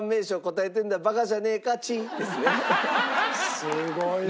すごいな。